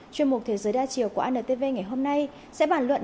chuyên mục thế giới đa chiều của antv ngày hôm nay sẽ bàn luận